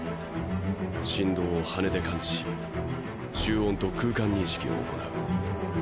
振動を羽で感知し収音と空間認識を行う。